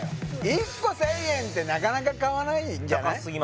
１個１０００円ってなかなか買わないんじゃない？